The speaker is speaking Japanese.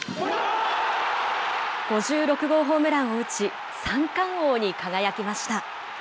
５６号ホームランを打ち、三冠王に輝きました。